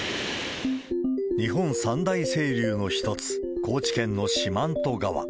日本三大清流の一つ、高知県の四万十川。